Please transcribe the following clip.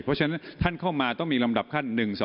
เพราะฉะนั้นท่านเข้ามาต้องมีลำดับขั้น๑๒